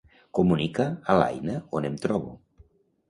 Comunica a l'Aina on em trobo.